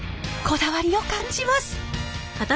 こだわりを感じます！